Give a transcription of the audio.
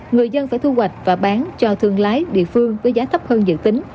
người dân phải thu hoạch và bán cho thương lái địa phương với giá thấp hơn dự tính